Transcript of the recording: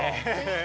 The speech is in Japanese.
え。